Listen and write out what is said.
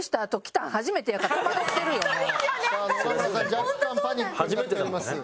若干パニックになっております。